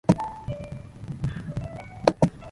Therefore, co-champions were officially declared.